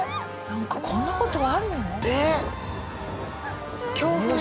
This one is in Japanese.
なんかこんな事あるの？